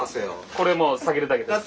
これもう下げるだけです。